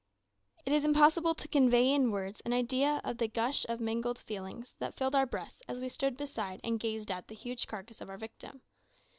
It is impossible to convey in words an idea of the gush of mingled feelings that filled our breasts as we stood beside and gazed at the huge carcass of our victim.